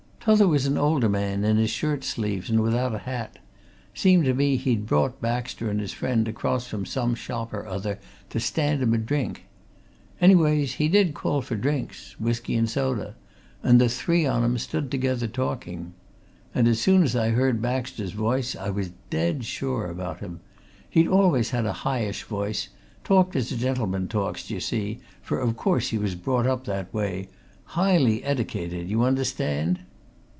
T'other was an older man, in his shirt sleeves and without a hat seemed to me he'd brought Baxter and his friend across from some shop or other to stand 'em a drink. Anyways, he did call for drinks whisky and soda and the three on 'em stood together talking. And as soon as I heard Baxter's voice, I was dead sure about him he'd always a highish voice, talked as gentlemen talks, d'ye see, for, of course, he was brought up that way high eddicated, you understand?"